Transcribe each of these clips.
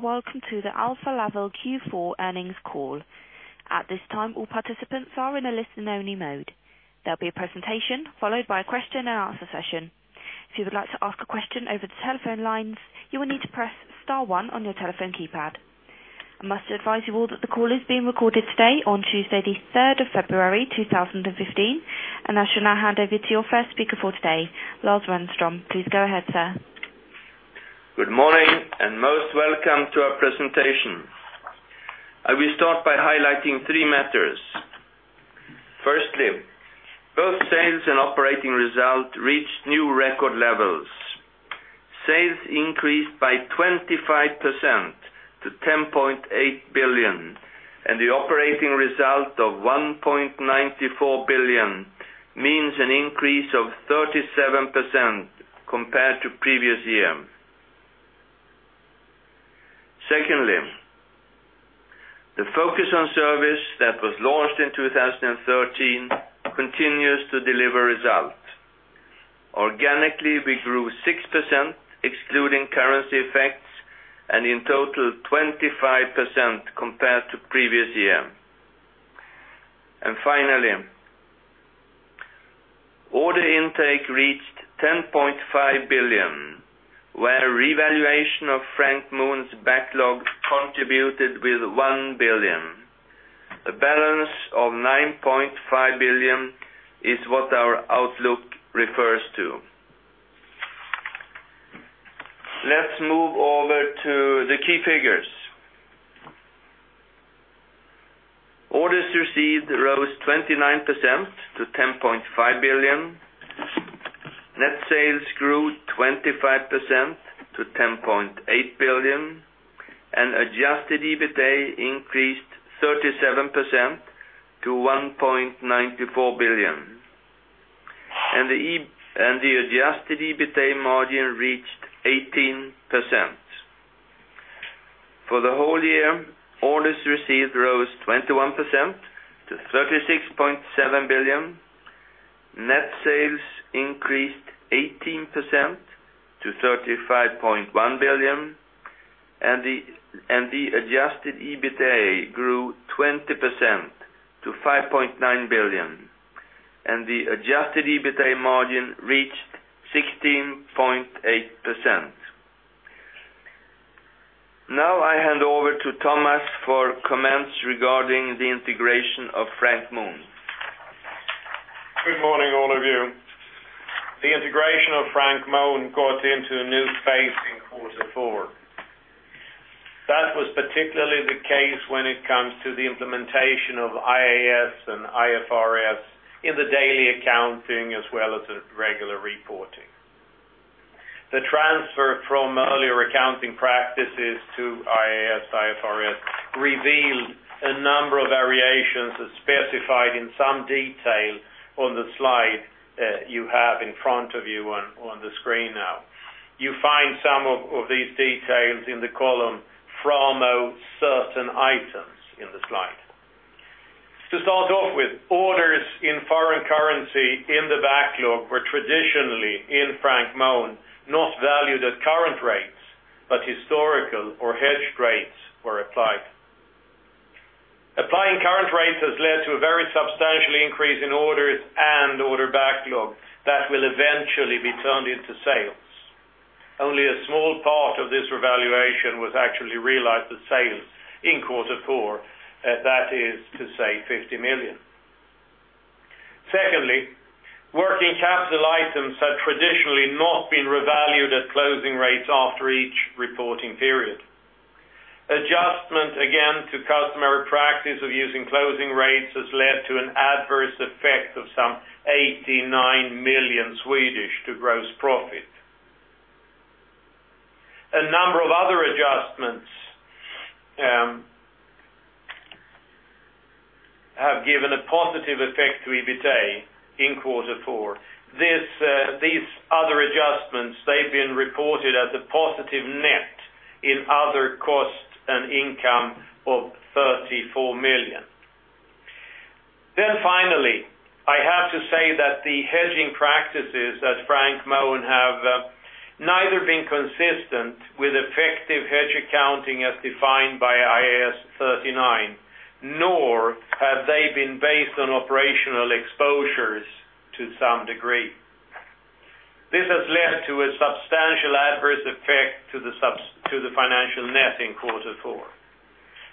Welcome to the Alfa Laval Q4 earnings call. At this time, all participants are in a listen-only mode. There'll be a presentation followed by a question and answer session. If you would like to ask a question over the telephone lines, you will need to press star one on your telephone keypad. I must advise you all that the call is being recorded today on Tuesday the 3rd of February, 2015, and I shall now hand over to your first speaker for today, Lars Renström. Please go ahead, sir. Good morning. Most welcome to our presentation. I will start by highlighting three matters. Firstly, both sales and operating results reached new record levels. Sales increased by 25% to 10.8 billion, and the operating result of 1.94 billion means an increase of 37% compared to previous year. Secondly, the focus on service that was launched in 2013 continues to deliver results. Organically, we grew 6%, excluding currency effects, and in total, 25% compared to previous year. Finally, order intake reached 10.5 billion, where revaluation of Frank Mohn's backlog contributed with 1 billion. The balance of 9.5 billion is what our outlook refers to. Let's move over to the key figures. Orders received rose 29% to 10.5 billion. Net sales grew 25% to 10.8 billion, and adjusted EBITA increased 37% to 1.94 billion. The adjusted EBITA margin reached 18%. For the whole year, orders received rose 21% to 36.7 billion. Net sales increased 18% to 35.1 billion. The adjusted EBITA grew 20% to 5.9 billion. The adjusted EBITA margin reached 16.8%. Now I hand over to Thomas for comments regarding the integration of Frank Mohn. Good morning, all of you. The integration of Frank Mohn got into a new phase in Q4. That was particularly the case when it comes to the implementation of IAS and IFRS in the daily accounting as well as the regular reporting. The transfer from earlier accounting practices to IAS, IFRS revealed a number of variations as specified in some detail on the slide that you have in front of you on the screen now. You find some of these details in the column Framo certain items in the slide. To start off with, orders in foreign currency in the backlog were traditionally in Frank Mohn, not valued at current rates, but historical or hedged rates were applied. Applying current rates has led to a very substantial increase in orders and order backlog that will eventually be turned into sales. Only a small part of this revaluation was actually realized as sales in quarter 4, that is to say 50 million. Secondly, working capital items had traditionally not been revalued at closing rates after each reporting period. Adjustment, again, to customary practice of using closing rates has led to an adverse effect of some 89 million to gross profit. A number of other adjustments have given a positive effect to EBITA in quarter 4. These other adjustments, they've been reported as a positive net in other costs and income of SEK 34 million. Finally, I have to say that the hedging practices at Frank Mohn have neither been consistent with effective hedge accounting as defined by IAS 39, nor have they been based on operational exposures to some degree. This has led to a substantial adverse effect to the financial net in quarter 4,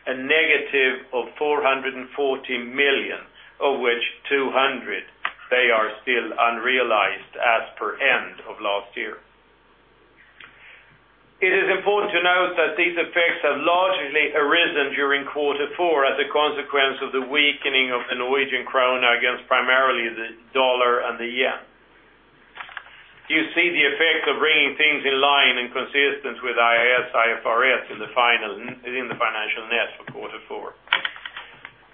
a negative of 440 million, of which 200 million, they are still unrealized as per end of last year. It is important to note that these effects have largely arisen during quarter 4 as a consequence of the weakening of the Norwegian krone against primarily the USD and the JPY. You see the effect of bringing things in line in consistent with IAS, IFRS in the financial net for quarter 4.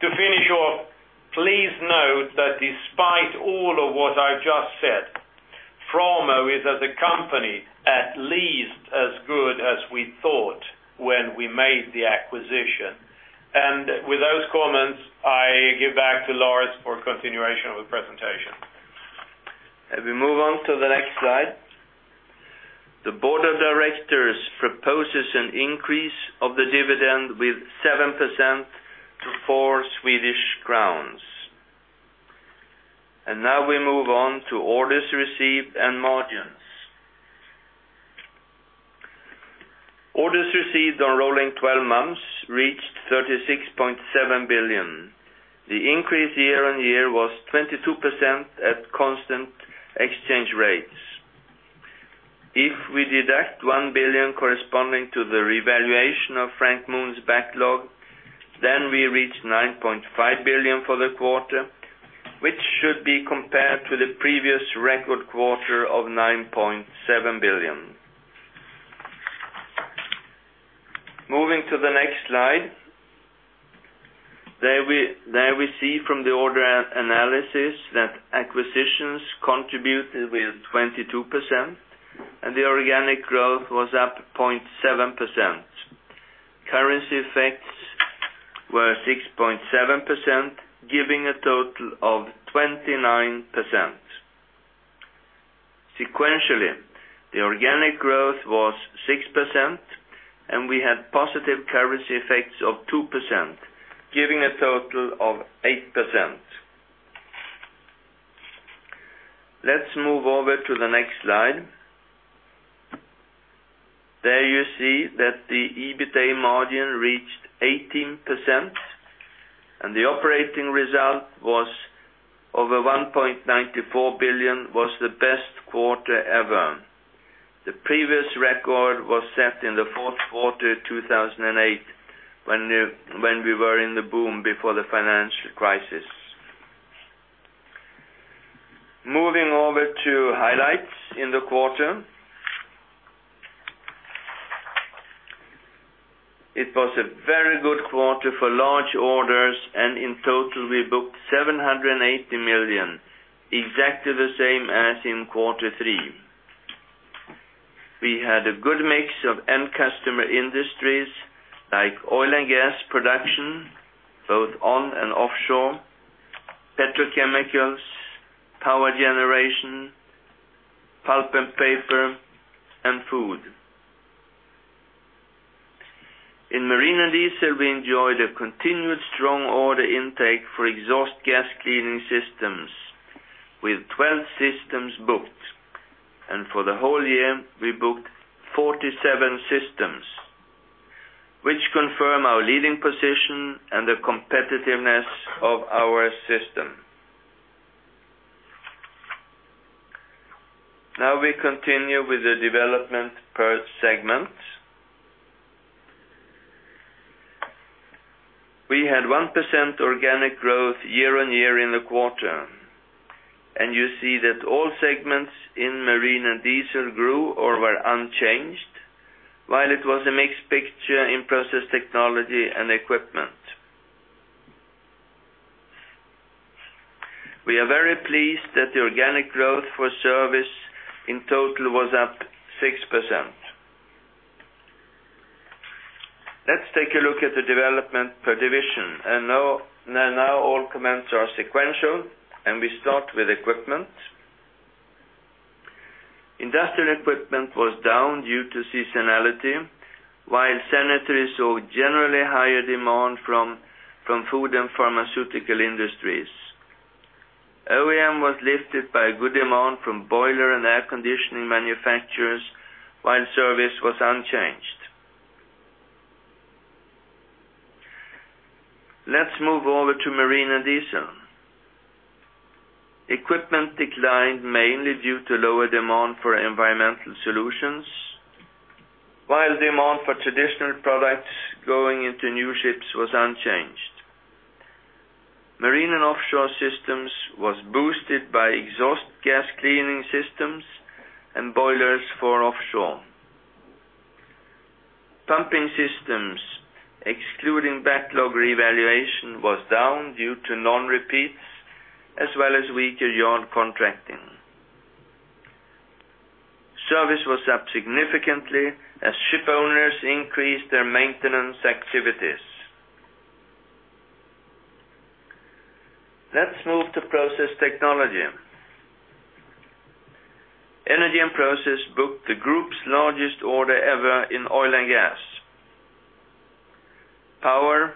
To finish off, please note that despite all of what I've just said, Framo is as a company, at least as good as we thought when we made the acquisition. With those comments, I give back to Lars for continuation of the presentation. We move on to the next slide. The board of directors proposes an increase of the dividend with 7% to 4 Swedish crowns. Now we move on to orders received and margins. Orders received on rolling 12 months reached 36.7 billion. The increase year-on-year was 22% at constant exchange rates. If we deduct 1 billion corresponding to the revaluation of Frank Mohn's backlog, we reach 9.5 billion for the quarter, which should be compared to the previous record quarter of 9.7 billion. Moving to the next slide. There we see from the order analysis that acquisitions contributed with 22%, and the organic growth was up 0.7%. Currency effects were 6.7%, giving a total of 29%. Sequentially, the organic growth was 6%, and we had positive currency effects of 2%, giving a total of 8%. Let's move over to the next slide. There you see that the EBITA margin reached 18%, and the operating result was over 1.94 billion, was the best quarter ever. The previous record was set in the fourth quarter 2008, when we were in the boom before the financial crisis. Moving over to highlights in the quarter. It was a very good quarter for large orders, and in total, we booked 780 million, exactly the same as in quarter 3. We had a good mix of end customer industries like oil and gas production, both on and offshore, petrochemicals, power generation, pulp and paper, and food. In marine and diesel, we enjoyed a continued strong order intake for exhaust gas cleaning systems with 12 systems booked. For the whole year, we booked 47 systems, which confirm our leading position and the competitiveness of our system. We continue with the development per segment. We had 1% organic growth year-on-year in the quarter, and you see that all segments in marine and diesel grew or were unchanged, while it was a mixed picture in process technology and equipment. We are very pleased that the organic growth for service in total was up 6%. Let's take a look at the development per division. Now all comments are sequential, and we start with equipment. Industrial equipment was down due to seasonality, while sanitary saw generally higher demand from food and pharmaceutical industries. OEM was lifted by a good demand from boiler and air conditioning manufacturers, while service was unchanged. Let's move over to marine and diesel. Equipment declined mainly due to lower demand for environmental solutions, while demand for traditional products going into new ships was unchanged. Marine and offshore systems was boosted by exhaust gas cleaning systems and boilers for offshore. Pumping systems, excluding backlog revaluation, was down due to non-repeats, as well as weaker yard contracting. Service was up significantly as ship owners increased their maintenance activities. Let's move to process technology. Energy and process booked the group's largest order ever in oil and gas. Power,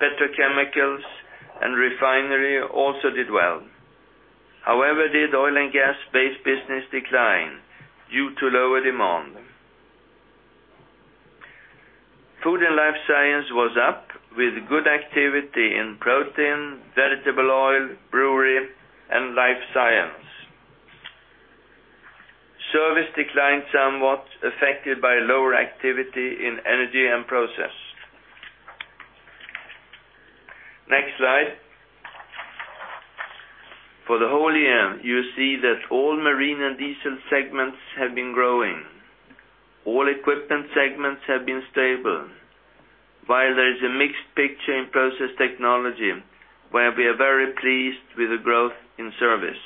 petrochemicals, and refinery also did well. However, did oil and gas-based business decline due to lower demand. Food and life science was up with good activity in protein, vegetable oil, brewery, and life science. Service declined somewhat, affected by lower activity in energy and process. Next slide. For the whole year, you see that all marine and diesel segments have been growing. All equipment segments have been stable, while there is a mixed picture in process technology, where we are very pleased with the growth in service.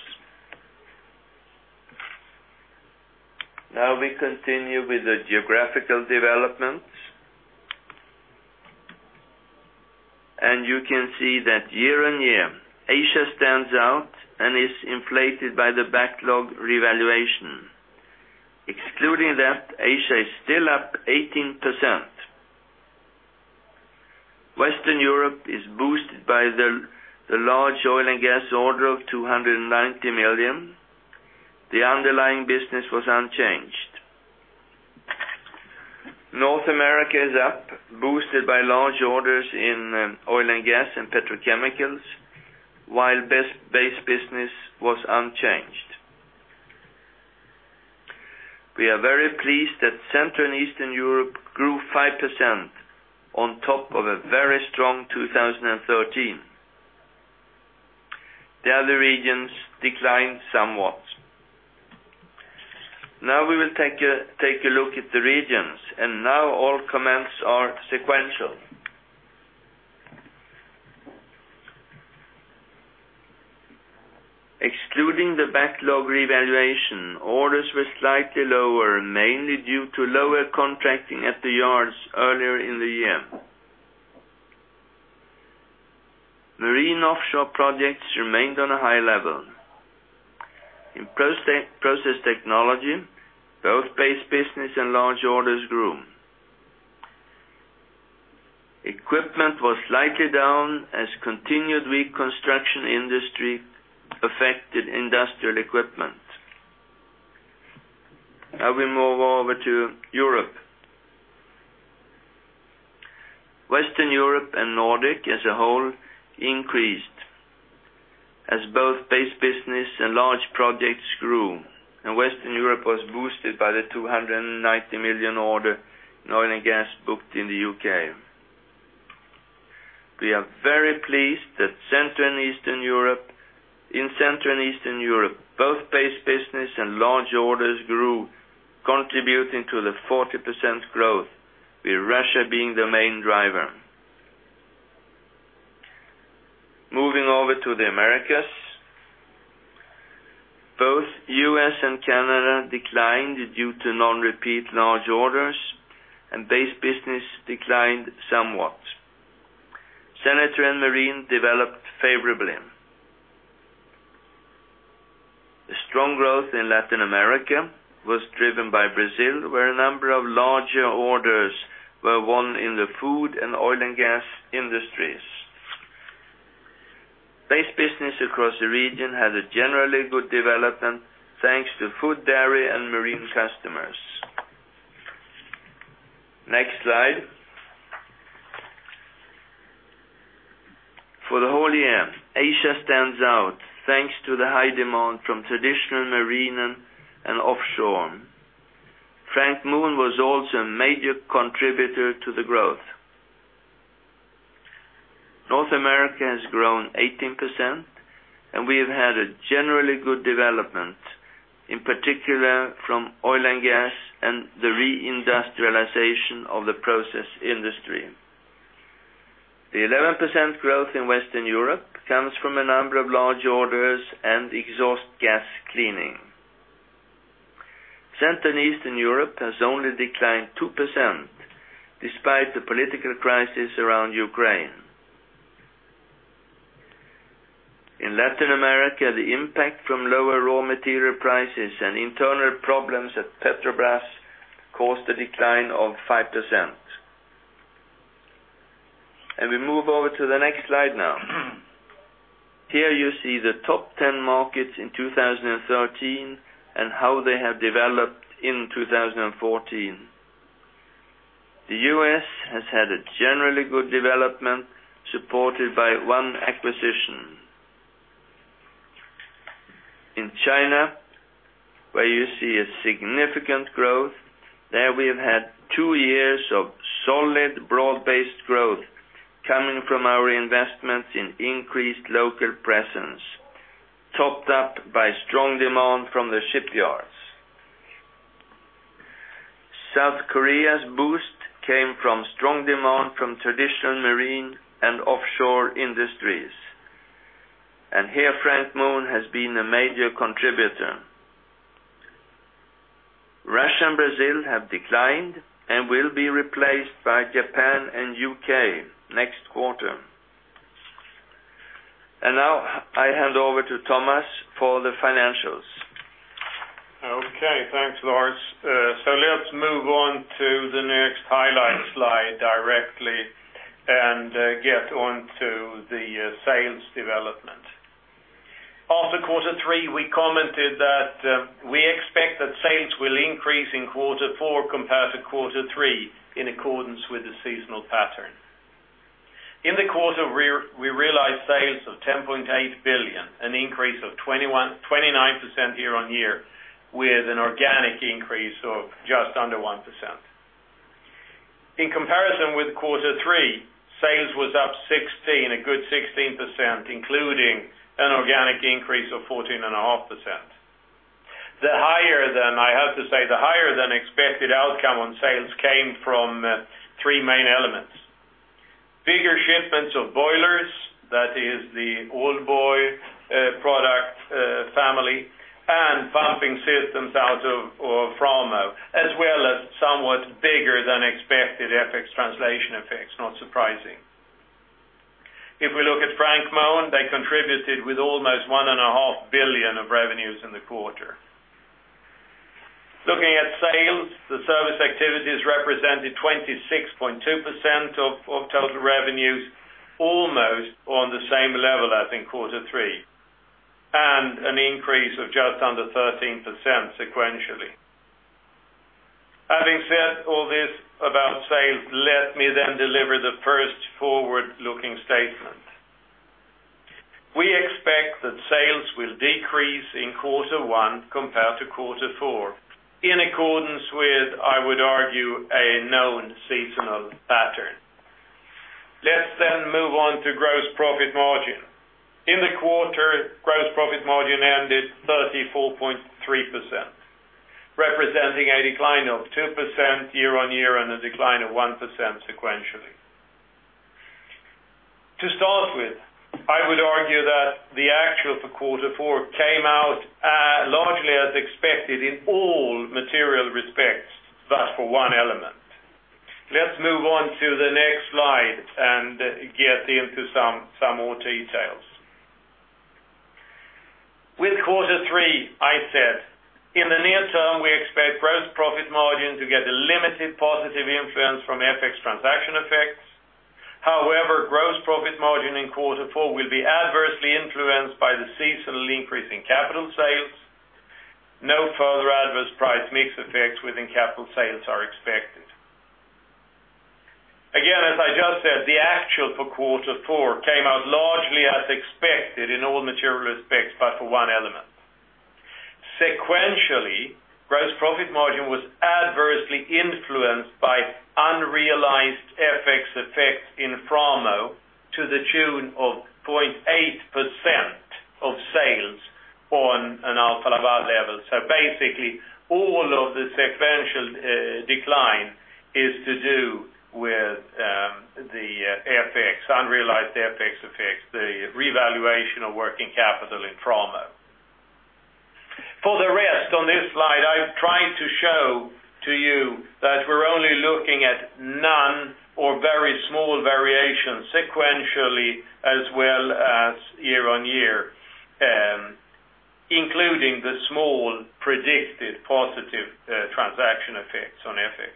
Now we continue with the geographical development. You can see that year-on-year, Asia stands out and is inflated by the backlog revaluation. Excluding that, Asia is still up 18%. Western Europe is boosted by the large oil and gas order of 290 million. The underlying business was unchanged. North America is up, boosted by large orders in oil and gas and petrochemicals, while base business was unchanged. We are very pleased that Central and Eastern Europe grew 5% on top of a very strong 2013. The other regions declined somewhat. Now we will take a look at the regions. Now all comments are sequential. Excluding the backlog revaluation, orders were slightly lower, mainly due to lower contracting at the yards earlier in the year. Marine offshore projects remained on a high level. In process technology, both base business and large orders grew. Equipment was slightly down as continued weak construction industry affected industrial equipment. Now we move over to Europe. Western Europe and Nordic as a whole increased, as both base business and large projects grew, and Western Europe was boosted by the 290 million order in oil and gas booked in the U.K. We are very pleased that in Central and Eastern Europe, both base business and large orders grew, contributing to the 40% growth, with Russia being the main driver. Moving over to the Americas. Both U.S. and Canada declined due to non-repeat large orders, and base business declined somewhat. Sanitary and marine developed favorably. The strong growth in Latin America was driven by Brazil, where a number of larger orders were won in the food and oil and gas industries. Base business across the region had a generally good development, thanks to food, dairy, and marine customers. Next slide. For the whole year, Asia stands out, thanks to the high demand from traditional marine and offshore. Frank Mohn was also a major contributor to the growth. North America has grown 18%, and we have had a generally good development, in particular from oil and gas and the re-industrialization of the process industry. The 11% growth in Western Europe comes from a number of large orders and exhaust gas cleaning. Central and Eastern Europe has only declined 2%, despite the political crisis around Ukraine. In Latin America, the impact from lower raw material prices and internal problems at Petrobras caused a decline of 5%. We move over to the next slide now. Here you see the top 10 markets in 2013 and how they have developed in 2014. The U.S. has had a generally good development, supported by one acquisition. In China, where you see a significant growth, there we have had two years of solid, broad-based growth coming from our investments in increased local presence, topped up by strong demand from the shipyards. South Korea's boost came from strong demand from traditional marine and offshore industries, and here Frank Mohn has been a major contributor. Russia and Brazil have declined and will be replaced by Japan and U.K. next quarter. Now I hand over to Thomas for the financials. Okay, thanks, Lars. Let's move on to the next highlight slide directly and get onto the sales development. After quarter three, we commented that we expect that sales will increase in quarter four compared to quarter three, in accordance with the seasonal pattern. In the quarter, we realized sales of 10.8 billion, an increase of 29% year-on-year, with an organic increase of just under 1%. In comparison with quarter three, sales was up a good 16%, including an organic increase of 14.5%. I have to say, the higher than expected outcome on sales came from three main elements: bigger shipments of boilers, that is the old boil product family and pumping systems out of Framo, as well as somewhat bigger than expected FX translation effects, not surprising. If we look at Frank Mohn, they contributed with almost 1.5 billion of revenues in the quarter. Looking at sales, the service activities represented 26.2% of total revenues, almost on the same level as in quarter three, and an increase of just under 13% sequentially. Having said all this about sales, let me deliver the first forward-looking statement. We expect that sales will decrease in quarter one compared to quarter four, in accordance with, I would argue, a known seasonal pattern. Let's move on to gross profit margin. In the quarter, gross profit margin ended 34.3%, representing a decline of 2% year-on-year and a decline of 1% sequentially. To start with, I would argue that the actual for quarter four came out largely as expected in all material respects, but for one element. Let's move on to the next slide and get into some more details. In the near term, we expect gross profit margin to get a limited positive influence from FX transaction effects. However, gross profit margin in quarter four will be adversely influenced by the seasonal increase in capital sales. No further adverse price mix effects within capital sales are expected. Again, as I just said, the actual for quarter four came out largely as expected in all material respects, but for one element. Sequentially, gross profit margin was adversely influenced by unrealized FX effects in Framo to the tune of 0.8% of sales on an Alfa Laval level. Basically, all of the sequential decline is to do with the unrealized FX effects, the revaluation of working capital in Framo. For the rest on this slide, I've tried to show to you that we're only looking at none or very small variations sequentially, as well as year-over-year, including the small predicted positive transaction effects on FX.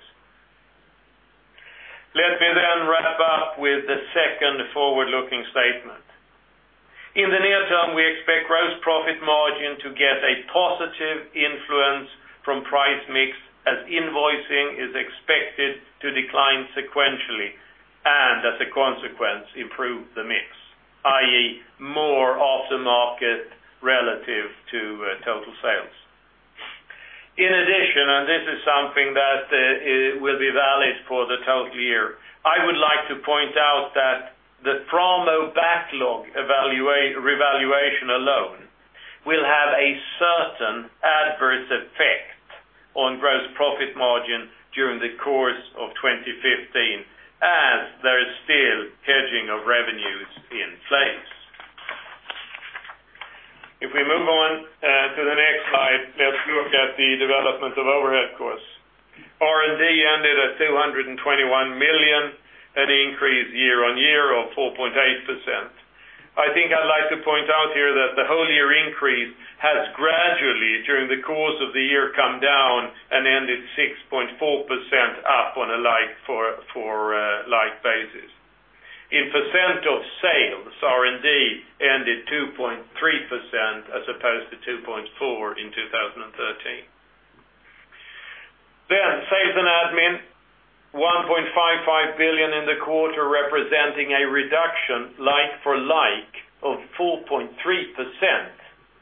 Let me wrap up with the second forward-looking statement. In the near term, we expect gross profit margin to get a positive influence from price mix as invoicing is expected to decline sequentially, and as a consequence, improve the mix, i.e., more off the market relative to total sales. In addition, and this is something that will be valid for the total year, I would like to point out that the Framo backlog revaluation alone will have a certain adverse effect on gross profit margin during the course of 2015, as there is still hedging of revenues in place. If we move on to the next slide, let's look at the development of overhead costs. R&D ended at 221 million, an increase year-over-year of 4.8%. I think I'd like to point out here that the whole year increase has gradually, during the course of the year, come down and ended 6.4% up on a like-for-like basis. In % of sales, R&D ended 2.3% as opposed to 2.4% in 2013. Sales and Admin, 1.55 billion in the quarter, representing a reduction like-for-like of 4.3%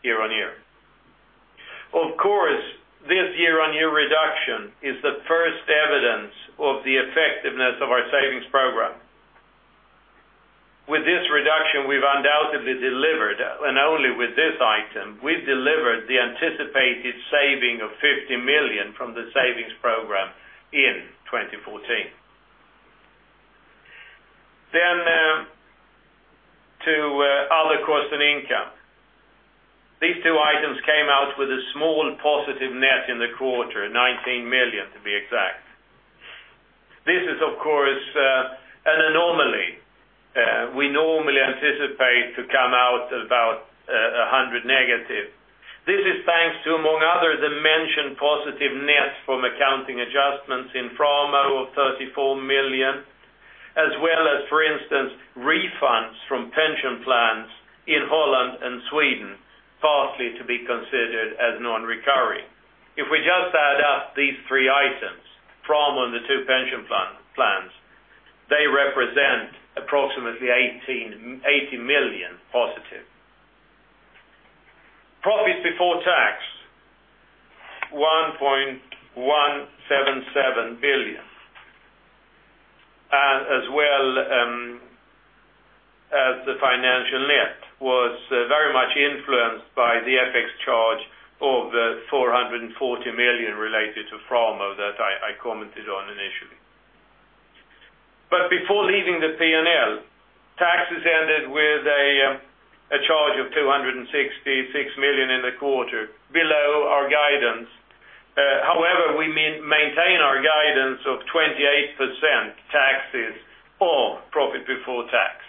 year-over-year. Of course, this year-over-year reduction is the first evidence of the effectiveness of our savings program. With this reduction, we've undoubtedly delivered, and only with this item, we've delivered the anticipated saving of 50 million from the savings program in 2014. To other costs and income. These two items came out with a small positive net in the quarter, 19 million to be exact. This is, of course, an anomaly. We normally anticipate to come out about 100 million negative. This is thanks to, among others, the mentioned positive net from accounting adjustments in Framo of 34 million, as well as, for instance, refunds from pension plans in Holland and Sweden, partly to be considered as non-recurring. If we just add up these three items, Framo and the two pension plans, they represent approximately SEK 80 million positive. Profits before tax, SEK 1.177 billion, as well as the financial net, was very much influenced by the FX charge of 440 million related to Framo that I commented on initially. Before leaving the P&L, taxes ended with a charge of 266 million in the quarter below our guidance. However, we maintain our guidance of 28% taxes on profit before tax.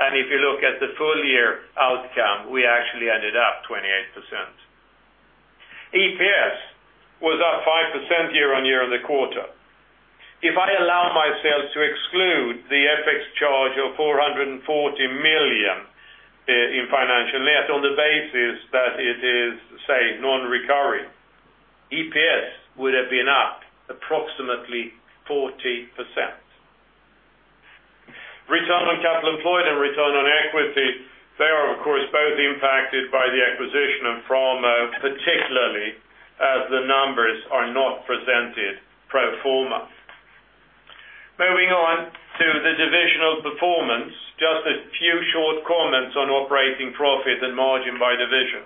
If you look at the full-year outcome, we actually ended up 28%. EPS was up 5% year-over-year in the quarter. If I allow myself to exclude the FX charge of 440 million in financial net on the basis that it is, say, non-recurring, EPS would have been up approximately 40%. Return on capital employed and return on equity, they are, of course, both impacted by the acquisition of Framo, particularly as the numbers are not presented pro forma. Moving on to the divisional performance, just a few short comments on operating profit and margin by division.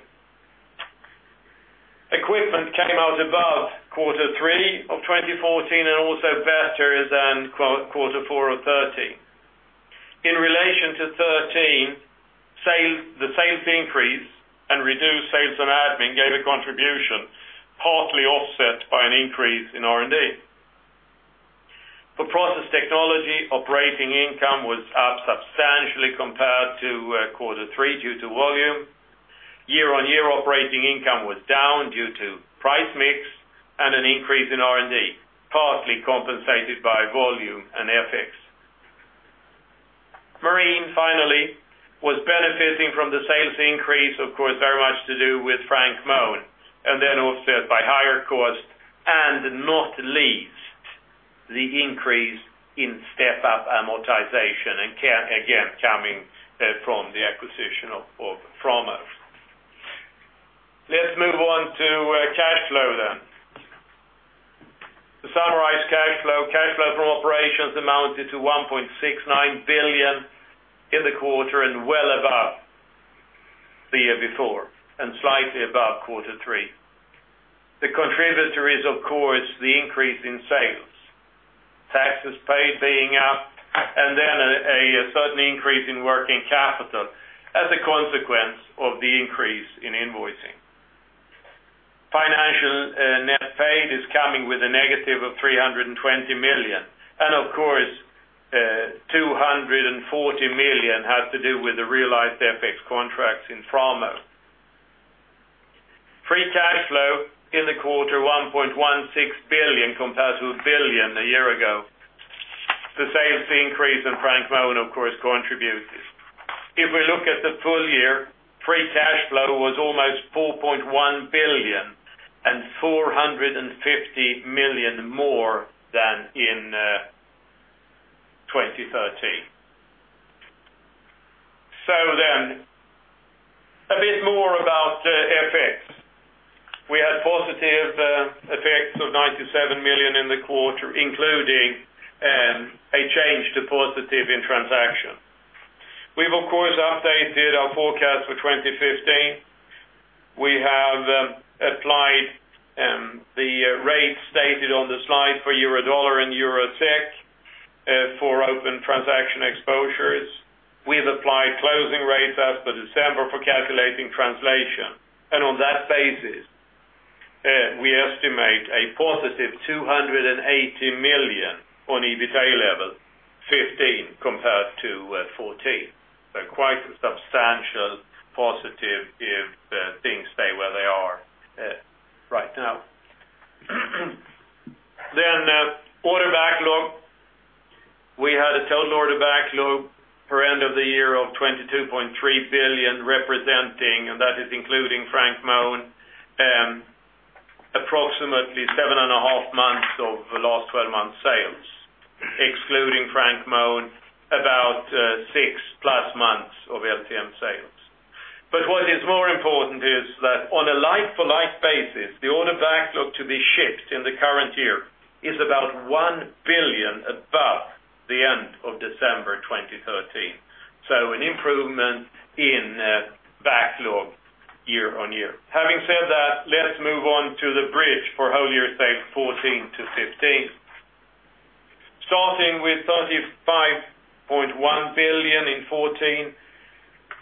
Equipment came out above Q3 of 2014, and also better than Q4 of 2013. In relation to 2013, the sales increase and reduced sales and admin gave a contribution, partly offset by an increase in R&D. For process technology, operating income was up substantially compared to Q3 due to volume. Year-over-year operating income was down due to price mix and an increase in R&D, partly compensated by volume and FX. Marine, finally, was benefiting from the sales increase, of course, very much to do with Frank Mohn, and then offset by higher cost, and not least, the increase in step-up amortization, again, coming from the acquisition of Framo. Let's move on to cash flow then. To summarize cash flow, cash flow from operations amounted to 1.69 billion in the quarter and well above the year before, and slightly above Q3. The contributor is, of course, the increase in sales. Taxes paid being up, and then a certain increase in working capital as a consequence of the increase in invoicing. Financial net paid is coming with a negative of 320 million, and of course, 240 million has to do with the realized FX contracts in Framo. Free cash flow in the quarter, 1.16 billion compared to 1 billion a year ago. The sales increase in Frank Mohn, of course, contributed. If we look at the full year, free cash flow was almost 4.1 billion and 450 million more than in 2013. A bit more about FX. We had positive FX of 97 million in the quarter, including a change to positive in transaction. We have, of course, updated our forecast for 2015. We have applied the rates stated on the slide for EUR-USD and EUR-SEK for open transaction exposures. We have applied closing rates as per December for calculating translation. On that basis, we estimate a positive 280 million on EBITA level 2015 compared to 2014. Quite a substantial positive if things stay where they are right now. Order backlog. We had a total order backlog per end of the year of 22.3 billion representing, and that is including Frank Mohn, approximately seven and a half months of the last 12 months' sales. Excluding Frank Mohn, about six-plus months of LTM sales. What is more important is that on a like-for-like basis, the order backlog to be shipped in the current year is about 1 billion above the end of December 2013. An improvement in backlog year-over-year. Having said that, let's move on to the bridge for whole year sales 2014 to 2015. Starting with 35.1 billion in 2014,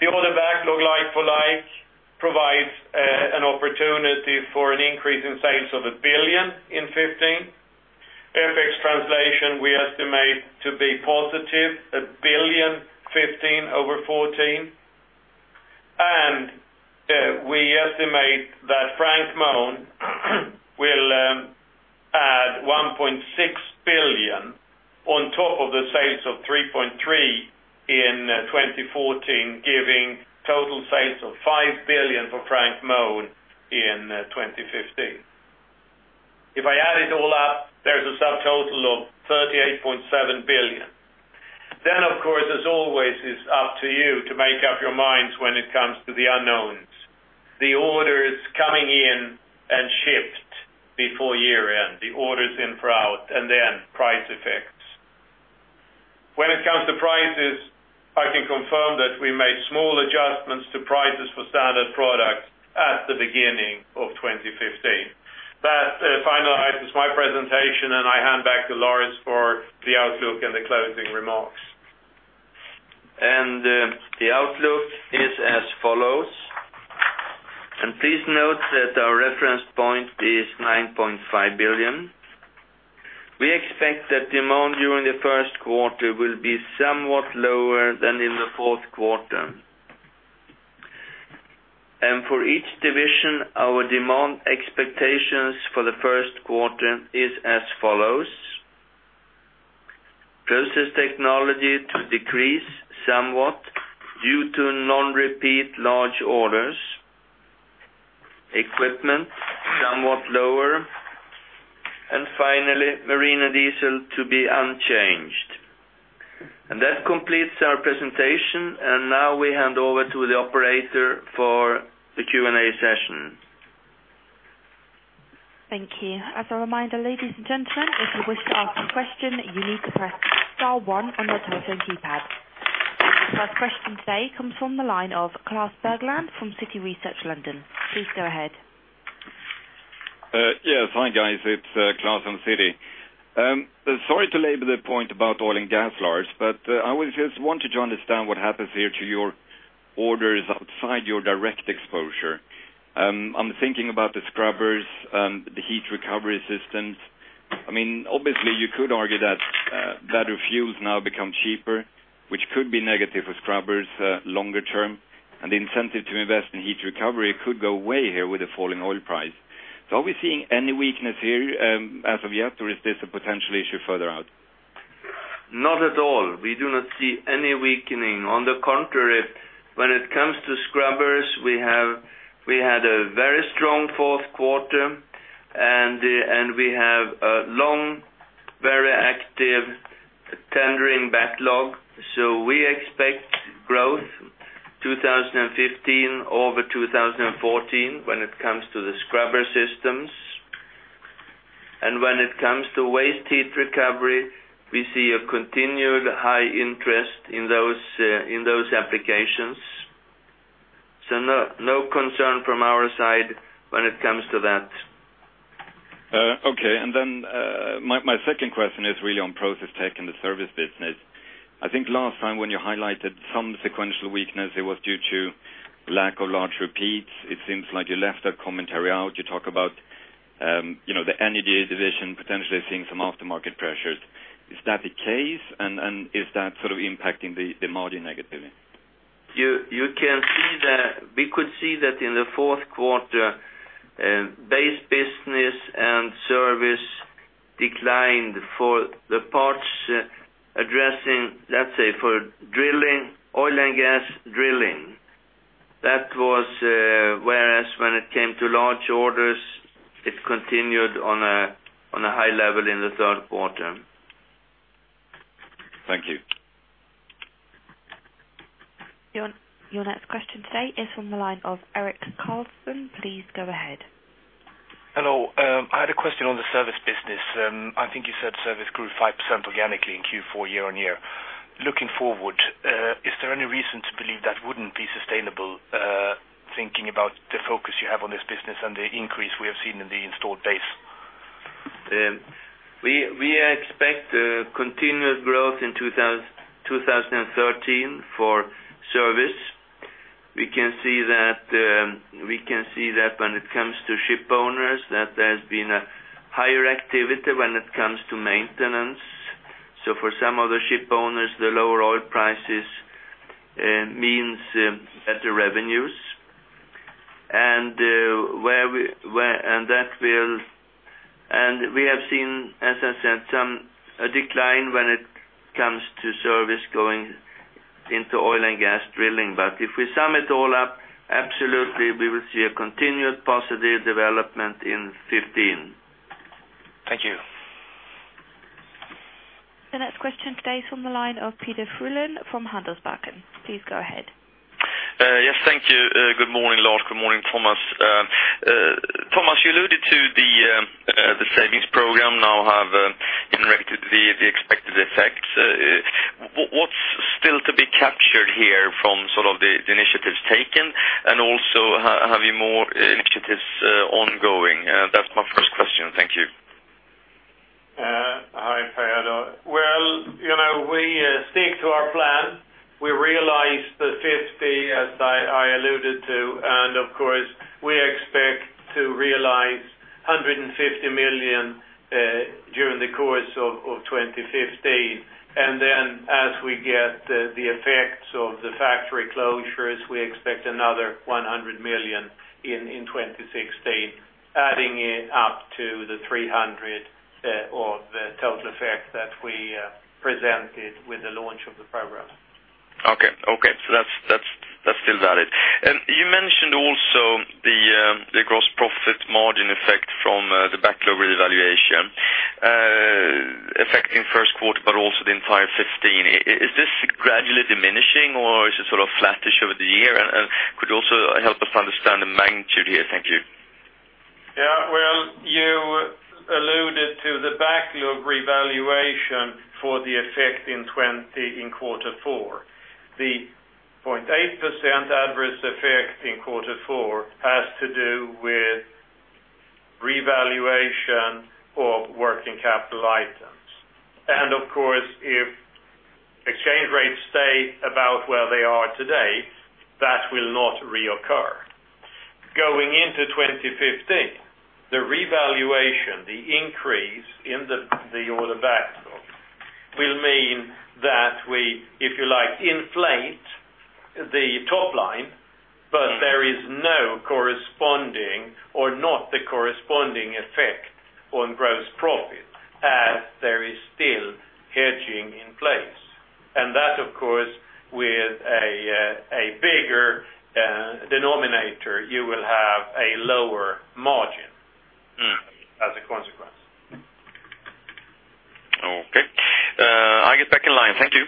the order backlog like for like provides an opportunity for an increase in sales of 1 billion in 2015. FX translation, we estimate to be positive, 1 billion 2015 over 2014. We estimate that Frank Mohn will add 1.6 billion on top of the sales of 3.3 billion in 2014, giving total sales of 5 billion for Frank Mohn in 2015. If I add it all up, there's a subtotal of 38.7 billion. Of course, as always, it's up to you to make up your minds when it comes to the unknowns. The orders coming in and shipped before year-end, the orders in for out, price effects. When it comes to prices, I can confirm prices for standard products at the beginning of 2015. That finalizes my presentation, and I hand back to Lars for the outlook and the closing remarks. The outlook is as follows. Please note that our reference point is 9.5 billion. We expect that demand during the first quarter will be somewhat lower than in the fourth quarter. For each division, our demand expectations for the first quarter is as follows. Process technology to decrease somewhat due to non-repeat large orders. Equipment, somewhat lower. Finally, marine and diesel to be unchanged. That completes our presentation, and now we hand over to the operator for the Q&A session. Thank you. As a reminder, ladies and gentlemen, if you wish to ask a question, you need to press star one on your telephone keypad. First question today comes from the line of Klas Bergelind from Citi Research, London. Please go ahead. Yes. Hi, guys. It's Klas from Citi. Sorry to labor the point about oil and gas, Lars, but I just wanted to understand what happens here to your orders outside your direct exposure. I'm thinking about the scrubbers, the heat recovery systems. Obviously, you could argue that fuel's now become cheaper, which could be negative for scrubbers longer term, and the incentive to invest in heat recovery could go away here with the falling oil price. Are we seeing any weakness here as of yet, or is this a potential issue further out? Not at all. We do not see any weakening. On the contrary, when it comes to scrubbers, we had a very strong fourth quarter, and we have a long, very active tendering backlog. We expect growth 2015 over 2014 when it comes to the scrubber systems. When it comes to waste heat recovery, we see a continued high interest in those applications. No concern from our side when it comes to that. Okay. My second question is really on Process Tech in the service business. I think last time when you highlighted some sequential weakness, it was due to lack of large repeats. It seems like you left that commentary out. You talk about, the Energy division potentially seeing some aftermarket pressures. Is that the case, and is that impacting the margin negatively? We could see that in the fourth quarter, base business and service declined for the parts addressing, let's say, for oil and gas drilling. When it came to large orders, it continued on a high level in the third quarter. Thank you. Your next question today is from the line of Eric Carlson. Please go ahead. Hello. I had a question on the service business. I think you said service grew 5% organically in Q4 year-on-year. Looking forward, is there any reason to believe that wouldn't be sustainable, thinking about the focus you have on this business and the increase we have seen in the installed base? We expect continued growth in 2013 for service. We can see that when it comes to ship owners, that there's been a higher activity when it comes to maintenance. For some of the ship owners, the lower oil prices means better revenues. We have seen, as I said, a decline when it comes to service going into oil and gas drilling. If we sum it all up, absolutely, we will see a continued positive development in 2015. Thank you. The next question today is from the line of Peder Frölén from Handelsbanken. Please go ahead. Yes. Thank you. Good morning, Lars. Good morning, Thomas. Thomas, you alluded to the savings program now have generated the expected effects. What's still to be captured here from the initiatives taken? Also, have you more initiatives ongoing? That's my first question. Thank you. Hi, Peder. Well, we stick to our plan. We realized 50 million, as I alluded to. Of course, we expect to realize 150 million during the course of 2015. Then as we get the effects of the factory closures, we expect another 100 million in 2016, adding it up to 300 million or the total effect that we presented with the launch of the program. Okay. That's still valid. You mentioned also the gross profit margin effect from the backlog revaluation, affecting first quarter but also the entire 2015. Is this gradually diminishing, or is it flattish over the year? Could you also Of revaluation for the effect in quarter four. The 0.8% adverse effect in quarter four has to do with revaluation of working capital items. Of course, if exchange rates stay about where they are today, that will not reoccur. Going into 2015, the revaluation, the increase in the order backlog, will mean that we, if you like, inflate the top line, but there is no corresponding or not the corresponding effect on gross profit as there is still hedging in place. That, of course, with a bigger denominator, you will have a lower margin as a consequence. Okay. I get back in line. Thank you.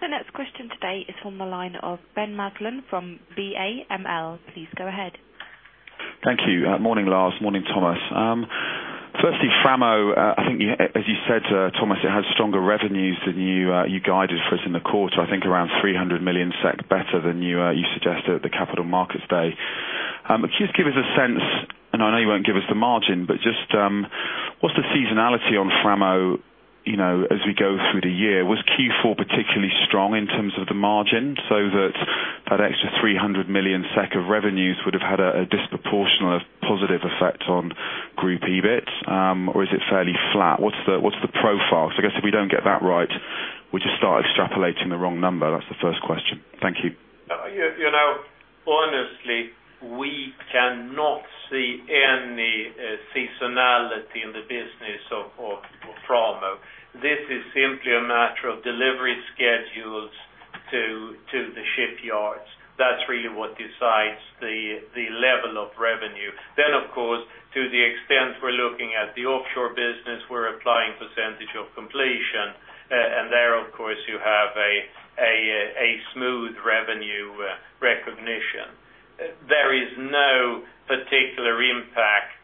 The next question today is from the line of Ben Maslen from BAML. Please go ahead. Thank you. Morning, Lars. Morning, Thomas. Firstly, Framo, I think as you said Thomas, it has stronger revenues than you guided for us in the quarter, I think around 300 million SEK better than you suggested at the Capital Markets Day. Can you just give us a sense, I know you won't give us the margin, but just what's the seasonality on Framo as we go through the year? Was Q4 particularly strong in terms of the margin so that extra 300 million SEK of revenues would have had a disproportionate positive effect on group EBIT? Is it fairly flat? What's the profile? I guess if we don't get that right, we just start extrapolating the wrong number. That's the first question. Thank you. Honestly, we cannot see any seasonality in the business of Framo. This is simply a matter of delivery schedules to the shipyards. That's really what decides the level of revenue. Then, of course, to the extent we're looking at the offshore business, we're applying percentage of completion, and there, of course, you have a smooth revenue recognition. There is no particular impact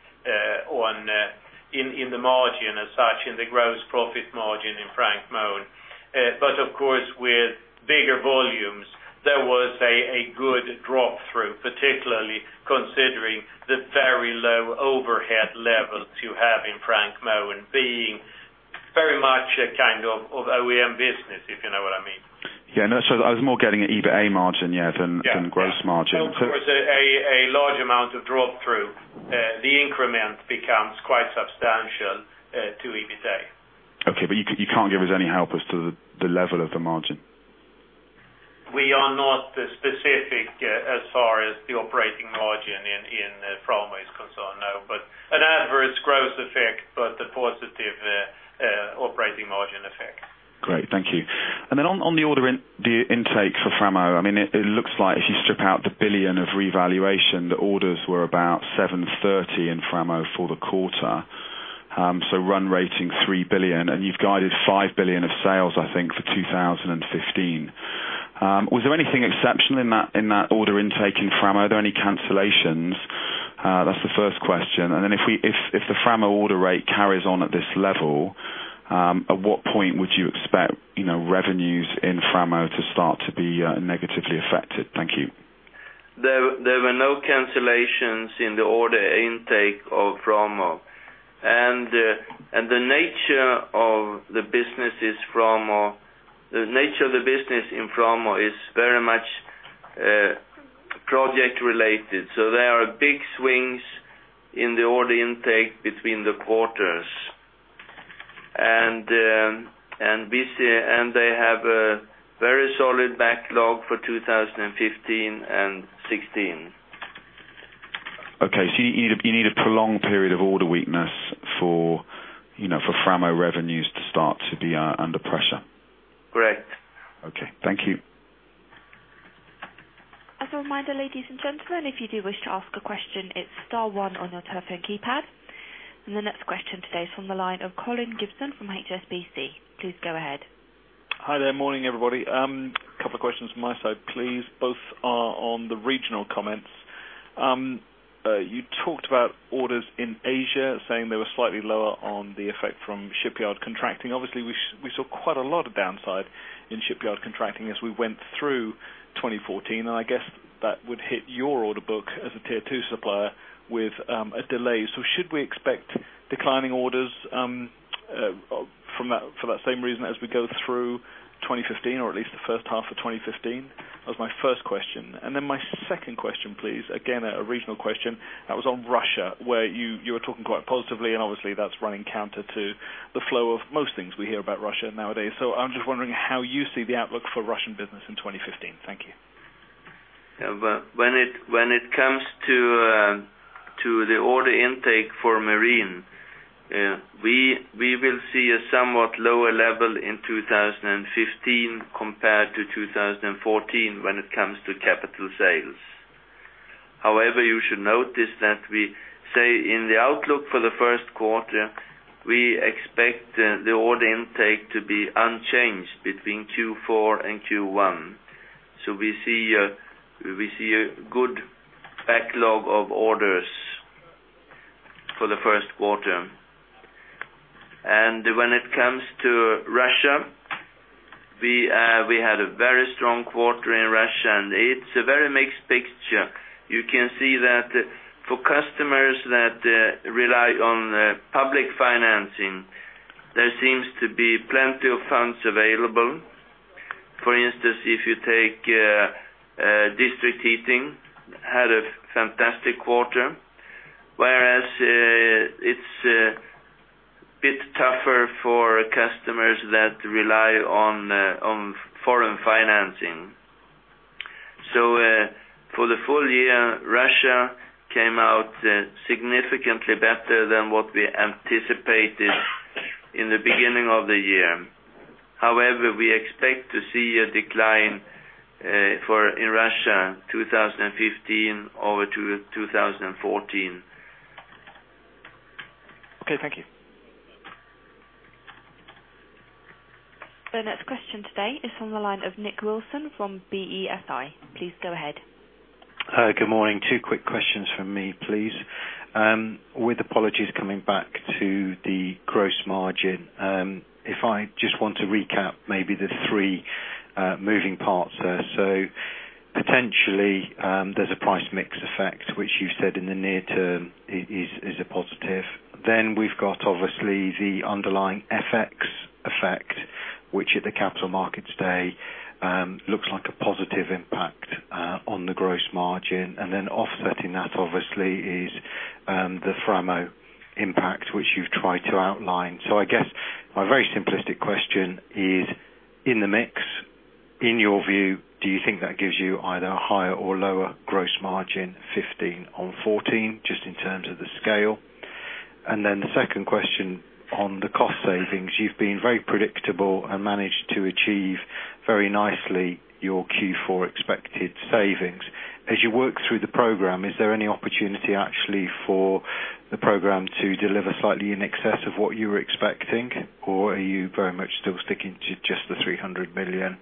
in the margin as such, in the gross profit margin in Framo. Of course, with bigger volumes, there was a good drop through, particularly considering the very low overhead levels you have in Framo and being very much a kind of OEM business, if you know what I mean. Yeah. No. I was more getting at EBITDA margin than gross margin. Of course, a large amount of drop through, the increment becomes quite substantial to EBITDA. Okay. You can't give us any help as to the level of the margin? We are not specific as far as the operating margin in Framo is concerned, no. An adverse gross effect, but a positive operating margin effect. Great. Thank you. On the order intake for Framo, it looks like if you strip out the 1 billion of revaluation, the orders were about 730 million in Framo for the quarter. Run rating 3 billion, and you've guided 5 billion of sales, I think, for 2015. Was there anything exceptional in that order intake in Framo? Are there any cancellations? That's the first question. If the Framo order rate carries on at this level, at what point would you expect revenues in Framo to start to be negatively affected? Thank you. There were no cancellations in the order intake of Framo. The nature of the business in Framo is very much project related. There are big swings in the order intake between the quarters. They have a very solid backlog for 2015 and 2016. Okay. You need a prolonged period of order weakness for Framo revenues to start to be under pressure? Correct. Okay. Thank you. As a reminder, ladies and gentlemen, if you do wish to ask a question, it's star one on your telephone keypad. The next question today is from the line of Colin Gibson from HSBC. Please go ahead. Hi there. Morning, everybody. Couple of questions from my side, please. Both are on the regional comments. You talked about orders in Asia, saying they were slightly lower on the effect from shipyard contracting. Obviously, we saw quite a lot of downside in shipyard contracting as we went through 2014, and I guess that would hit your order book as a tier 2 supplier with a delay. Should we expect declining orders for that same reason as we go through 2015, or at least the first half of 2015? That was my first question. Then my second question, please, again, a regional question, that was on Russia, where you were talking quite positively, and obviously, that's running counter to the flow of most things we hear about Russia nowadays. I'm just wondering how you see the outlook for Russian business in 2015. Thank you. When it comes to the order intake for marine, we will see a somewhat lower level in 2015 compared to 2014 when it comes to capital sales. However, you should notice that we say in the outlook for the first quarter, we expect the order intake to be unchanged between Q4 and Q1. We see a good backlog of orders for the first quarter. When it comes to Russia, we had a very strong quarter in Russia, and it's a very mixed picture. You can see that for customers that rely on public financing, there seems to be plenty of funds available. For instance, if you take district heating, had a fantastic quarter, whereas it's a bit tougher for customers that rely on foreign financing. For the full year, Russia came out significantly better than what we anticipated in the beginning of the year. We expect to see a decline in Russia 2015 over 2014. Okay, thank you. The next question today is from the line of Nick Wilson from BESI. Please go ahead. Good morning. Two quick questions from me, please. With apologies coming back to the gross margin. If I just want to recap maybe the three moving parts there. Potentially, there's a price mix effect, which you said in the near term is a positive. Then we've got obviously the underlying FX effect, which at the capital markets day looks like a positive impact on the gross margin. Offsetting that obviously is the Framo impact, which you've tried to outline. I guess my very simplistic question is, in the mix, in your view, do you think that gives you either a higher or lower gross margin 2015 on 2014, just in terms of the scale? And then the second question on the cost savings. You've been very predictable and managed to achieve very nicely your Q4 expected savings. As you work through the program, is there any opportunity actually for the program to deliver slightly in excess of what you were expecting? Are you very much still sticking to just the 300 million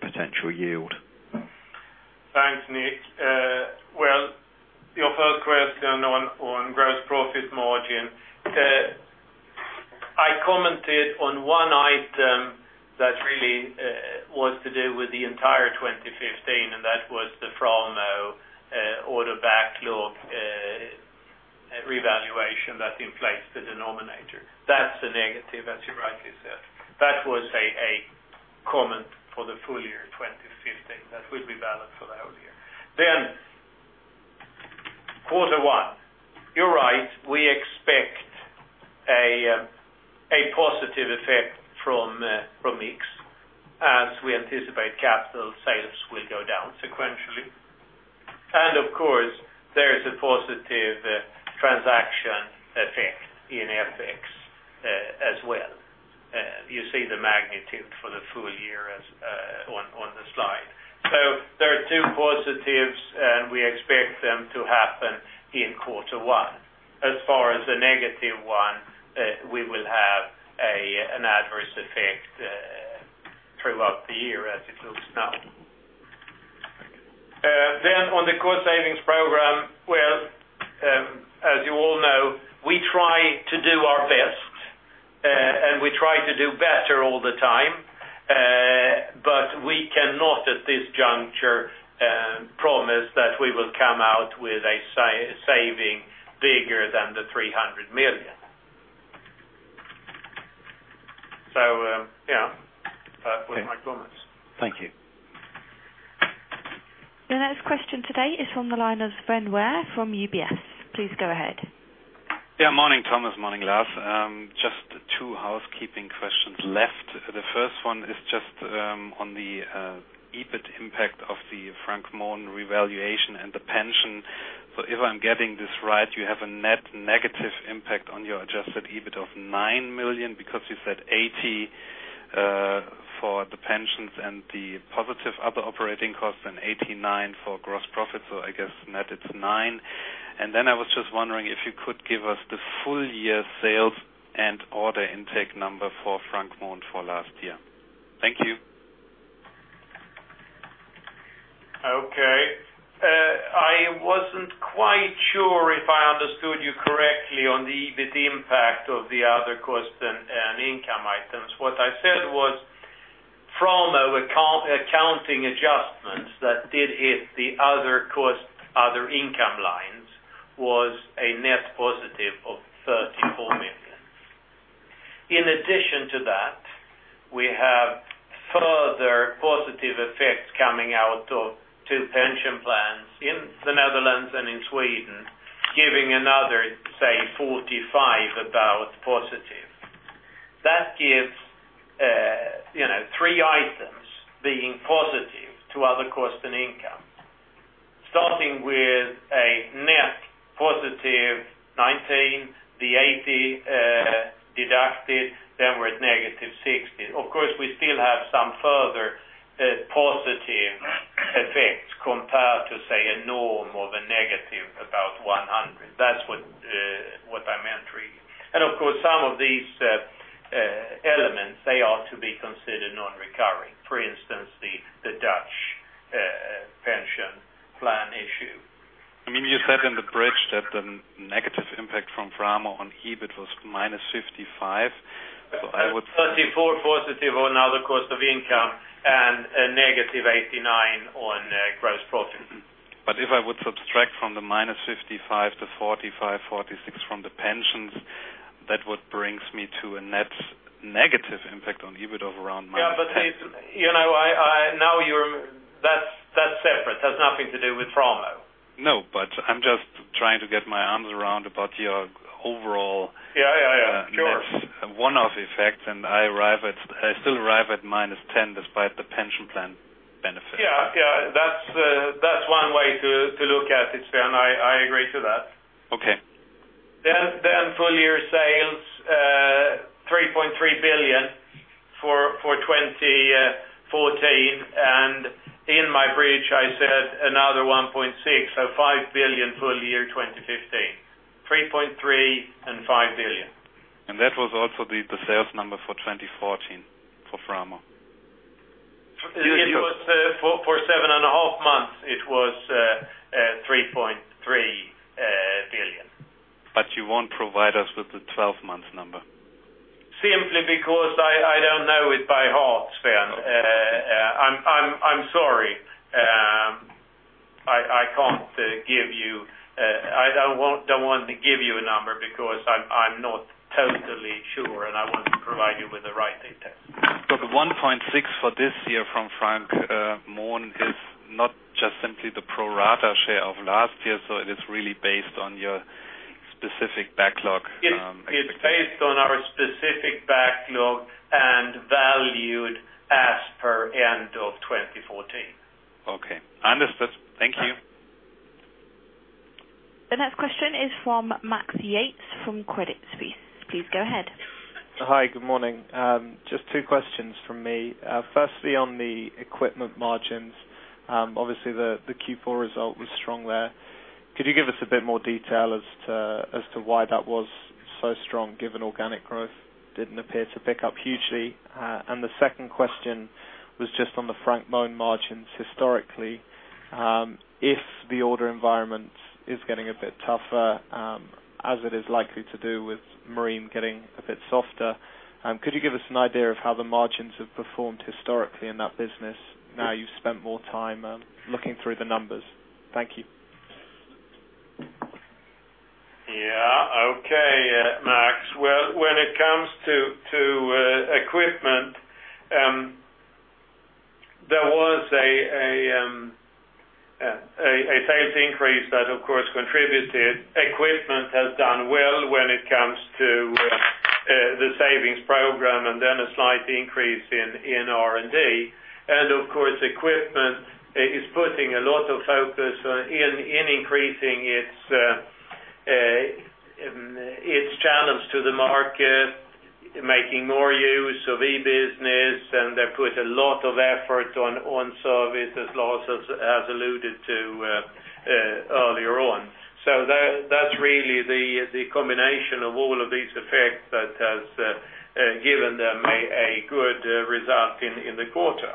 potential yield? Thanks, Nick. Well, your first question on gross profit margin. I commented on one item that really was to do with the entire 2015, and that was the Framo order backlog revaluation that inflates the denominator. That's a negative, as you rightly said. That was a comment for the full year 2015. That will be valid for that year. Quarter one, you're right, we expect a positive effect from mix as we anticipate capital sales will go down sequentially. Of course, there is a positive transaction effect in FX as well. You see the magnitude for the full year on the slide. There are two positives, and we expect them to happen in quarter one. As far as the negative one, we will have an adverse effect throughout the year as it looks now. Thank you. On the cost savings program, well, as you all know, we try to do our best, and we try to do better all the time. We cannot, at this juncture, promise that we will come out with a saving bigger than the 300 million. Yeah. That was my promise. Thank you. The next question today is from the line of Sven Weier from UBS. Please go ahead. Yeah, morning, Thomas. Morning, Lars. Just two housekeeping questions left. The first one is just on the EBIT impact of the Frank Mohn revaluation and the pension. If I'm getting this right, you have a net negative impact on your adjusted EBIT of 9 million because you said 80 for the pensions and the positive other operating costs and 89 for gross profit. I guess net, it's 9. And then I was just wondering if you could give us the full year sales and order intake number for Frank Mohn for last year. Thank you. Okay. I wasn't quite sure if I understood you correctly on the EBIT impact of the other cost and income items. What I said was, from accounting adjustments that did hit the other income lines was a net positive of 34 million. In addition to that, we have further positive effects coming out of two pension plans in the Netherlands and in Sweden, giving another, say, 45 about positive. That gives three items being positive to other cost and income. Starting with a net positive 19, the 80 deducted, we're at negative 60. Of course, we still have some further positive effects compared to, say, a norm of a negative about 100. That's what I meant really. Of course, some of these elements, they ought to be considered non-recurring. For instance, the Dutch pension plan issue. You said in the bridge that the negative impact from Framo on EBIT was -55. 34 positive on other cost of income and a negative 89 on gross profit. If I would subtract from the -55 to 45, 46 from the pensions, that would bring me to a net negative impact on EBIT. Yeah, now that's separate. It has nothing to do with Framo. No, I'm just trying to get my arms around about your overall Yeah. Sure. net one-off effect, I still arrive at -10 despite the pension plan benefit. Yeah. That's one way to look at it, Sven. I agree to that. Okay. Full year sales, 3.3 billion for 2014. In my bridge, I said another 1.6, so 5 billion full year 2015. 3.3 billion and 5 billion. That was also the sales number for 2014 for Framo? For seven and a half months, it was 3.3 billion. You won't provide us with the 12-month number. Simply because I don't know it by heart, Sven. I'm sorry. I don't want to give you a number because I'm not totally sure, and I want to provide you with the right data. The 1.6 for this year from Frank Mohn is not just simply the pro rata share of last year, it is really based on your specific backlog. It's based on our specific backlog and valued as per end of 2014. Okay. Understood. Thank you. The next question is from Max Yates from Credit Suisse. Please go ahead. Hi. Good morning. Just two questions from me. Firstly, on the equipment margins, obviously, the Q4 result was strong there. Could you give us a bit more detail as to why that was so strong given organic growth didn't appear to pick up hugely? The second question was just on the Frank Mohn margins historically. If the order environment is getting a bit tougher, as it is likely to do with Marine getting a bit softer, could you give us an idea of how the margins have performed historically in that business now you've spent more time looking through the numbers? Thank you. Yeah. Okay, Max. Well, when it comes to equipment, there was a sales increase that, of course, contributed. Equipment has done well when it comes to the savings program, then a slight increase in R&D. Of course, equipment is putting a lot of focus on increasing its channels to the market, making more use of e-business, and they put a lot of effort on service, as Lars has alluded to earlier on. That's really the combination of all of these effects that has given them a good result in the quarter.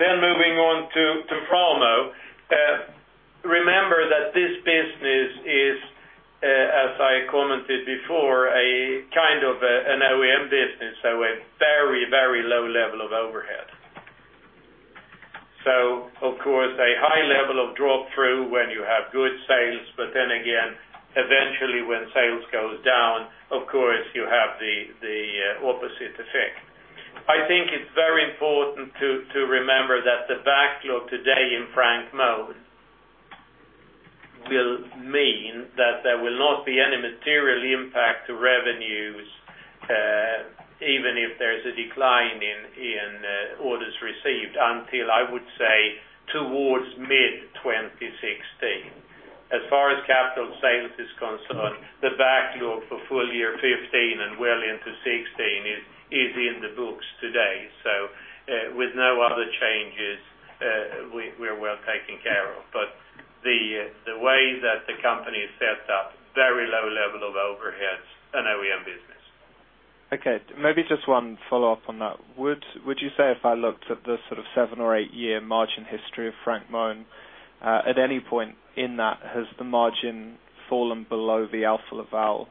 Moving on to Framo. Remember that this business is, as I commented before, a kind of an OEM business, a very low level of overhead. Of course, a high level of drop through when you have good sales, but then again, eventually when sales goes down, of course, you have the opposite effect. I think it's very important to remember that the backlog today in Frank Mohn will mean that there will not be any material impact to revenues, even if there's a decline in orders received until, I would say, towards mid-2016. As far as capital sales is concerned, the backlog for full year 2015 and well into 2016 is in the books today. With no other changes, we're well taken care of. The way that the company is set up, very low level of overhead, an OEM business. Okay, maybe just one follow-up on that. Would you say if I looked at the sort of seven or eight-year margin history of Frank Mohn, at any point in that, has the margin fallen below the Alfa Laval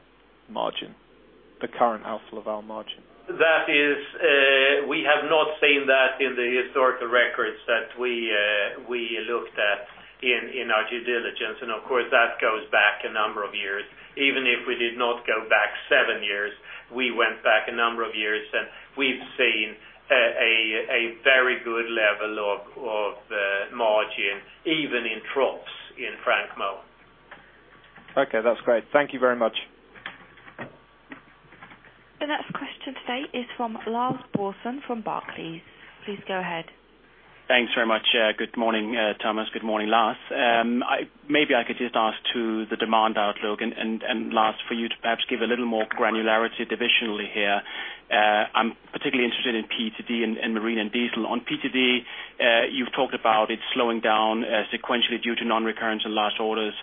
margin? The current Alfa Laval margin. We have not seen that in the historical records that we looked at in our due diligence, of course, that goes back a number of years. Even if we did not go back seven years, we went back a number of years, we've seen a very good level of margin, even in troughs, in Frank Mohn. Okay, that's great. Thank you very much. The next question today is from Lars Brorson from Barclays. Please go ahead. Thanks very much. Good morning, Thomas. Good morning, Lars. Maybe I could just ask to the demand outlook, Lars, for you to perhaps give a little more granularity divisionally here. I'm particularly interested in PTD and Marine and Diesel. On PTD, you've talked about it slowing down sequentially due to non-recurrent and large orders.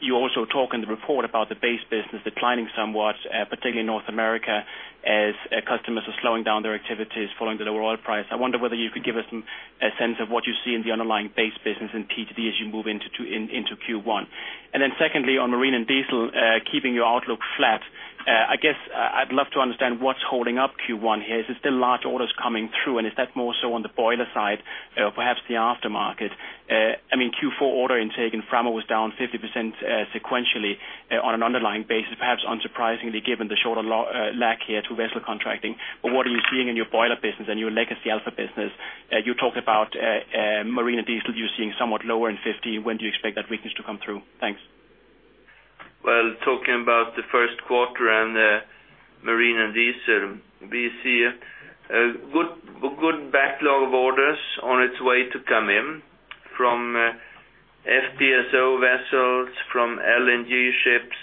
You also talk in the report about the base business declining somewhat, particularly in North America, as customers are slowing down their activities following the lower oil price. I wonder whether you could give us a sense of what you see in the underlying base business in PTD as you move into Q1. Secondly, on Marine and Diesel, keeping your outlook flat I guess I'd love to understand what's holding up Q1 here. Is it still large orders coming through, is that more so on the boiler side or perhaps the aftermarket? Q4 order intake in Framo was down 50% sequentially on an underlying basis, perhaps unsurprisingly, given the shorter lack here to vessel contracting. What are you seeing in your boiler business and your legacy Alfa business? You talked about Marine and Diesel, you're seeing somewhat lower in 50%. When do you expect that weakness to come through? Thanks. Well, talking about the first quarter and the Marine and Diesel, we see a good backlog of orders on its way to come in from FPSO vessels, from LNG ships,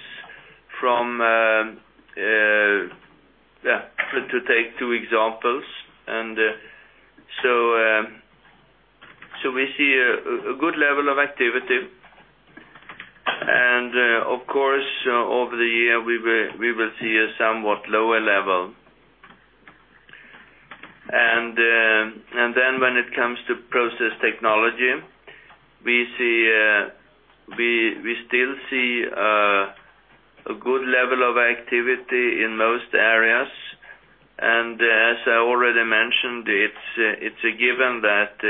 to take two examples. We see a good level of activity. Of course, over the year we will see a somewhat lower level. When it comes to process technology, we still see a good level of activity in most areas. As I already mentioned, it's a given that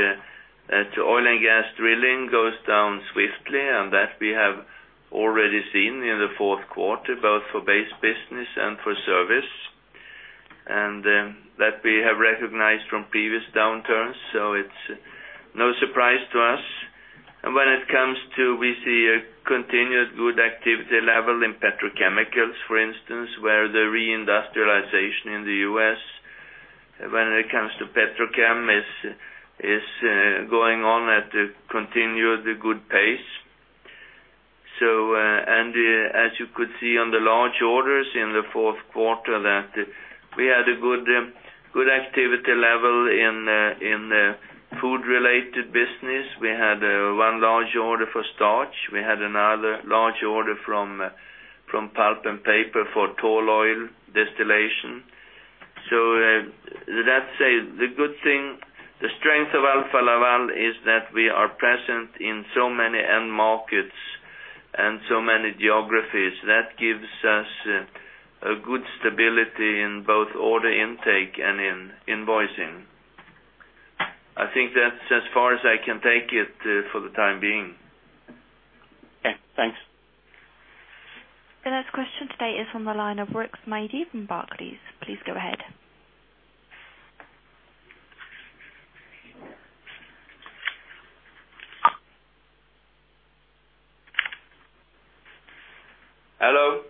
oil and gas drilling goes down swiftly, that we have already seen in the fourth quarter, both for base business and for service, that we have recognized from previous downturns. It's no surprise to us. When it comes to, we see a continued good activity level in petrochemicals, for instance, where the reindustrialization in the U.S., when it comes to petrochem, is going on at a continued good pace. As you could see on the large orders in the fourth quarter that we had a good activity level in food-related business. We had one large order for starch. We had another large order from pulp and paper for tall oil distillation. Let's say, the good thing, the strength of Alfa Laval is that we are present in so many end markets and so many geographies. That gives us a good stability in both order intake and in invoicing. I think that's as far as I can take it for the time being. Okay, thanks. The next question today is from the line of Rix Mady from Barclays. Please go ahead. Hello?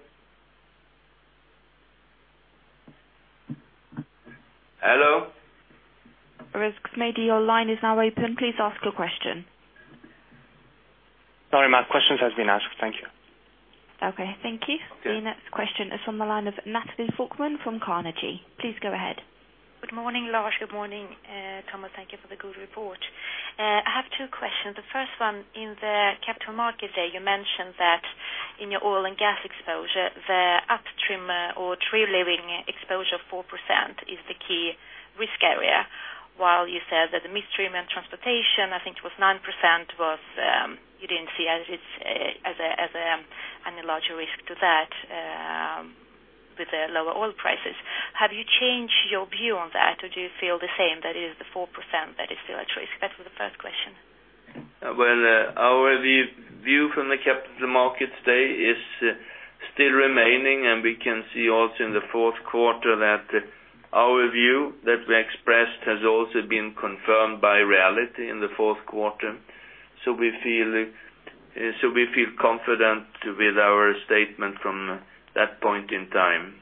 Hello? Rix Mady, your line is now open. Please ask your question. Sorry, my question has been asked. Thank you. Okay, thank you. Okay. The next question is from the line of Natalie Falkman from Carnegie. Please go ahead. Good morning, Lars. Good morning, Thomas. Thank you for the good report. I have two questions. The first one, in the Capital Markets Day, you mentioned that in your oil and gas exposure, the upstream or drilling exposure, 4% is the key risk area. While you said that the midstream and transportation, I think it was 9%, you didn't see as a larger risk to that with the lower oil prices. Have you changed your view on that or do you feel the same, that is the 4% that is still at risk? That was the first question. Well, our view from the capital markets day is still remaining. We can see also in the fourth quarter that our view that we expressed has also been confirmed by reality in the fourth quarter. We feel confident with our statement from that point in time.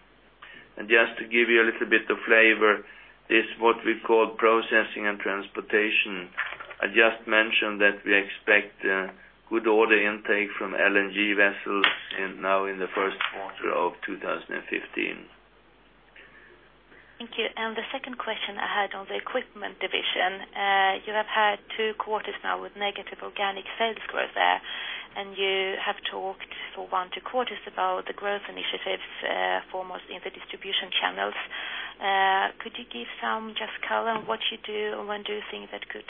Just to give you a little bit of flavor, this what we call processing and transportation. I just mentioned that we expect good order intake from LNG vessels now in the first quarter of 2015. Thank you. The second question I had on the Equipment Division, you have had two quarters now with negative organic sales growth there. You have talked for one, two quarters about the growth initiatives, foremost in the distribution channels. Could you give some just color on what you do and when do you think that could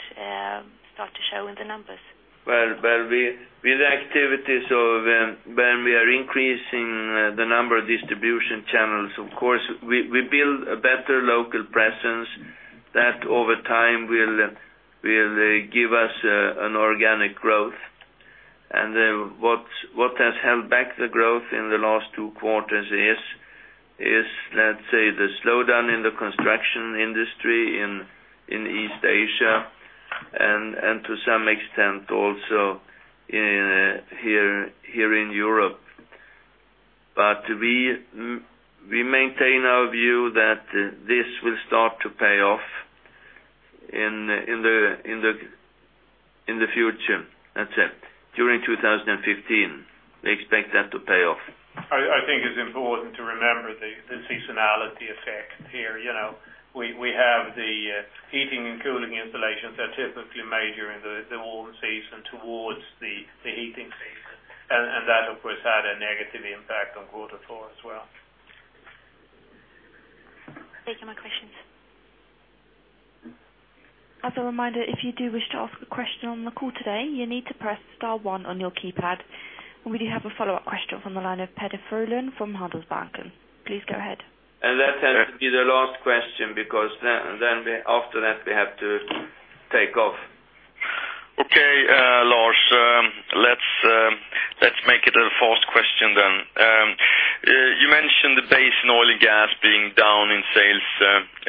start to show in the numbers? Well, with activities when we are increasing the number of distribution channels, of course, we build a better local presence that over time will give us an organic growth. What has held back the growth in the last two quarters is, let's say, the slowdown in the construction industry in East Asia and to some extent also here in Europe. We maintain our view that this will start to pay off in the future. That's it. During 2015, we expect that to pay off. I think it's important to remember the seasonality effect here. We have the heating and cooling installations are typically made during the warm season towards the heating season. That, of course, had a negative impact on quarter four as well. Thank you. My questions. As a reminder, if you do wish to ask a question on the call today, you need to press star one on your keypad. We do have a follow-up question from the line of Peder Frölén from Handelsbanken. Please go ahead. That has to be the last question, because after that, we have to take off. Okay, Lars, let's make it a fast question then. You mentioned the base in oil and gas being down in sales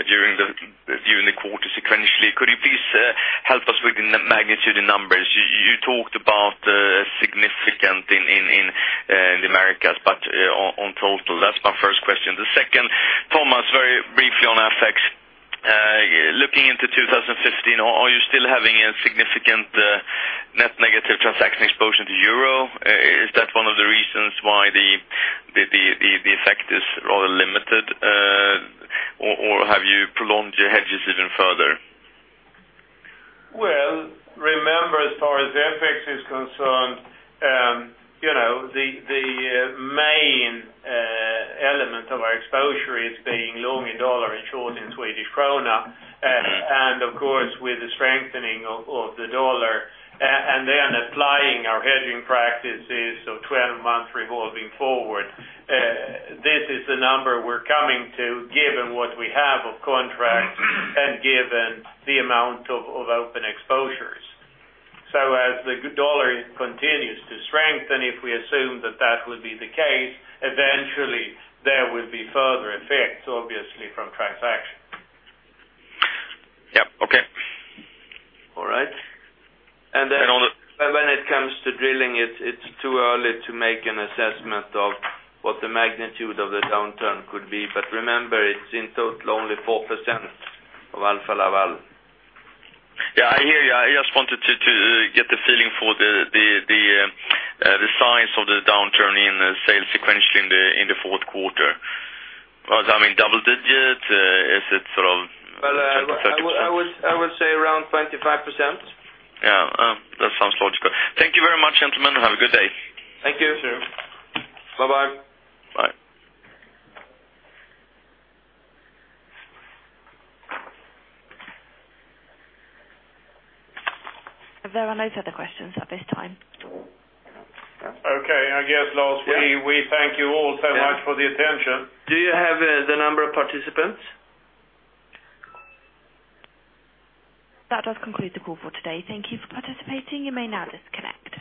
during the quarter sequentially. Could you please help us with the magnitude and numbers? You talked about a significant in the Americas, but on total. That's my first question. The second, Thomas, very briefly on FX. Looking into 2015, are you still having a significant net negative transaction exposure to euro? Is that one of the reasons why the effect is rather limited? Have you prolonged your hedge decision further? Well, remember, as far as FX is concerned, the main element of our exposure is being long in dollar and short in Swedish krona. Of course, with the strengthening of the dollar, and then applying our hedging practices of 12 months revolving forward, this is the number we're coming to, given what we have of contracts and given the amount of open exposures. As the dollar continues to strengthen, if we assume that that would be the case, eventually there would be further effects, obviously, from transaction. Yep. Okay. All right. Then when it comes to drilling, it's too early to make an assessment of what the magnitude of the downturn could be. Remember, it's in total only 4% of Alfa Laval. Yeah, I hear you. I just wanted to get the feeling for the size of the downturn in sales sequentially in the fourth quarter. Was that in double digits? Is it sort of. I would say around 25%. Yeah. That sounds logical. Thank you very much, gentlemen, and have a good day. Thank you. You too. Bye-bye. Bye. There are no other questions at this time. Okay. I guess, Lars, we thank you all so much for the attention. Do you have the number of participants? That does conclude the call for today. Thank you for participating. You may now disconnect.